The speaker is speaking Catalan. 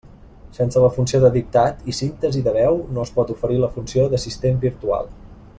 Sense la funció de dictat i síntesi de veu no es pot oferir la funció d'assistent virtual.